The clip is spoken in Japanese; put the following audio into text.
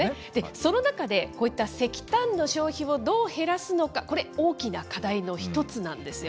その中でこういった石炭の消費をどう減らすのか、これ、大きな課題の一つなんですよ。